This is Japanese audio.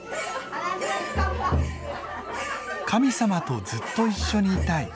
「神様とずっと一緒にいたい」。